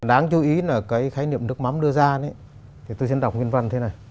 đáng chú ý là cái khái niệm nước mắm đưa ra tôi sẽ đọc nguyên văn thế này